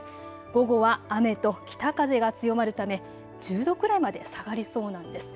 午後は雨と北風が強まるため１０度くらいまで下がりそうなんです。